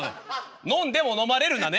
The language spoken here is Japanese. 「飲んでも飲まれるな」ね。